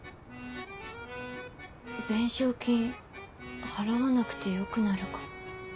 弁償金払わなくてよくなるかも。